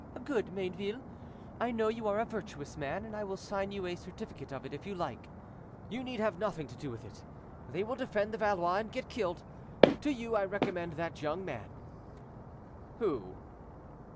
"Good; Mayneville, I know you are a virtuous man, and I will sign you a certificate of it if you like. You need have nothing to do with it; they will defend the Valois and get killed. To you I recommend that young man." "Who?"